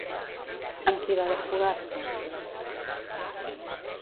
Amb qui va desfogar-se?